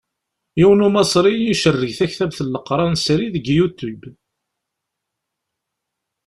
Yiwen Umaṣri icerreg taktabt n Leqran srid deg Youtube.